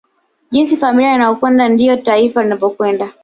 Jinsi familia inavyokwenda ndivyo taifa linavyokwenda